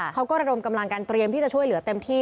ระดมกำลังกันเตรียมที่จะช่วยเหลือเต็มที่